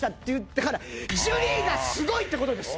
だからジュリーがすごいっていう事です！